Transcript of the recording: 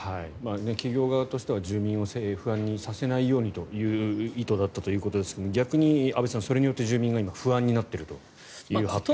企業側としては住民を不安にさせないようにという意図だったということですが逆に安部さんそれによって住民が今、不安になっているということですが。